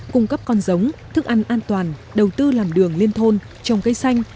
cung cấp con giống thức ăn an toàn đầu tư làm đường liên thôn trồng cây xanh